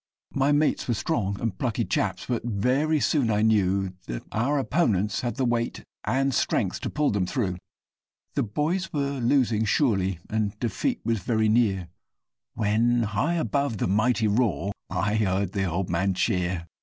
My mates were strong and plucky chaps, but very soon I knew That our opponents had the weight and strength to pull them through; The boys were losing surely and defeat was very near, When, high above the mighty roar, I heard the old man cheer!